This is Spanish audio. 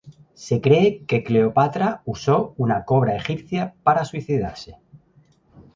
Se cree que Cleopatra uso una cobra egipcia para suicidarse.